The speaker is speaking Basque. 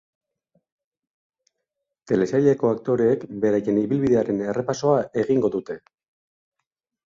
Telesaileko aktoreek beraien ibilbidearen errepasoa egingo dute.